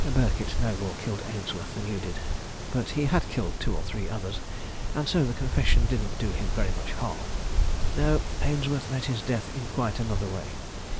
Birkett no more killed Ainsworth than you did; but he had killed two or three others, and so the confession didn't do him very much harm. "No; Ainsworth met his death in quite another way.